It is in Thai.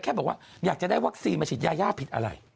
บอกว่าอยากจะได้วัคซีนมาฉีดยายาผิดอะไร